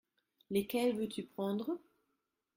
Lesquels veux-tu prendre ?